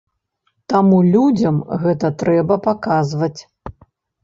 Таму людзям гэта трэба паказваць.